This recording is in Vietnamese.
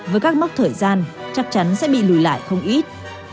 với các mốc thời gian chắc chắn sẽ bị lùi lại không ít